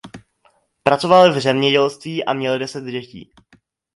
Pracovali v zemědělství a měli deset dětí.